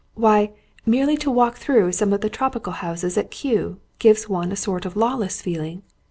Why, merely to walk through some of the tropical houses at Kew gives one a sort of lawless feeling!